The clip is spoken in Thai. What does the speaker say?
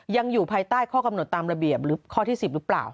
อยู่ภายใต้ข้อกำหนดตามระเบียบหรือข้อที่๑๐หรือเปล่า